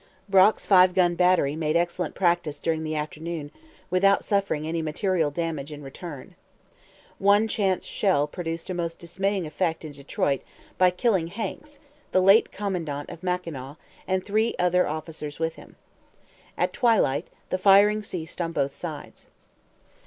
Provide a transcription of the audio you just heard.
Brock's five gun battery made excellent practice during the afternoon without suffering any material damage in return. One chance shell produced a most dismaying effect in Detroit by killing Hanks, the late commandant of Mackinaw, and three other officers with him. At twilight the firing ceased on both sides.